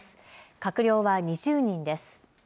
閣僚は２０人です。